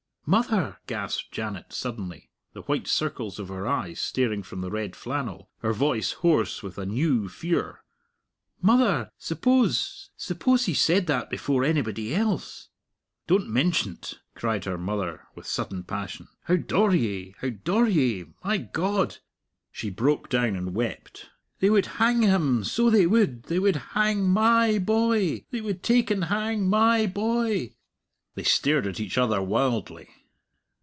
"Mother!" gasped Janet suddenly, the white circles of her eyes staring from the red flannel, her voice hoarse with a new fear "mother, suppose suppose he said that before anybody else!" "Don't mention't," cried her mother with sudden passion. "How daur ye? how daur ye? My God!" she broke down and wept, "they would hang him, so they would! They would hang my boy they would take and hang my boy!" They stared at each other wildly.